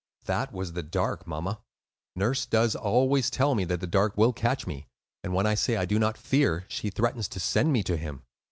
"That was the Dark, mamma. Nurse does always tell me that the Dark will catch me; and when I say that I do not fear, she threatens to send me to him.